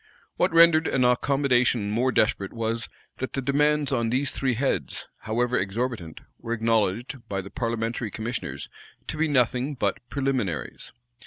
826, 827 What rendered an accommodation more desperate was, that the demands on these three heads, however exorbitant, were acknowledged, by the parliamentary commissioners, to be nothing but preliminaries.